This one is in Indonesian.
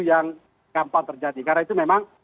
yang gampang terjadi karena itu memang